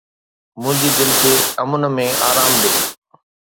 منهنجي دل کي امن ۾ آرام ڏي